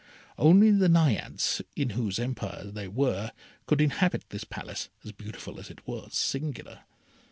Only the Naiades, in whose empire they were, could inhabit this Palace, as beautiful as it was singular.